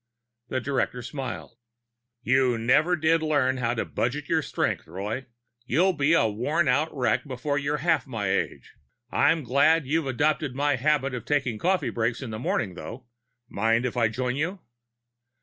The director smiled. "You never did learn how to budget your strength, Roy. You'll be a worn out wreck before you're half my age. I'm glad you're adopting my habit of taking a coffee break in the morning, though. Mind if I join you?"